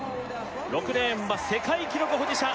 ６レーンは世界記録保持者